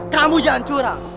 kamu jangan curang